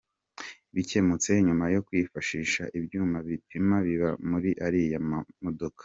Bikemutse nyuma yo kwifashisha ibyuma bipima biba muri ariya mamodoka.